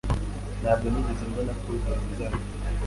Ntabwo nigeze mbona ko ibintu bizagenda.